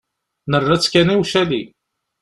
Nerra-tt kan i ucali.